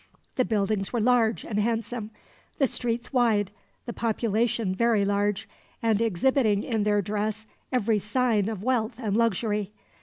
The buildings were large and handsome, the streets wide, the population very large, and exhibiting in their dress every sign of wealth and luxury.